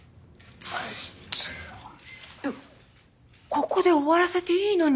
ここで終わらせていいのに。